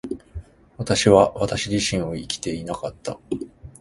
私は私自身を生きていなかった。